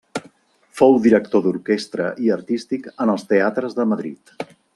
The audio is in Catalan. Fou director d'orquestra i artístic en els teatres de Madrid.